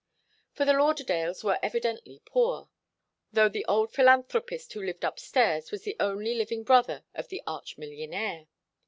For the Lauderdales were evidently poor, though the old philanthropist who lived upstairs was the only living brother of the arch millionaire.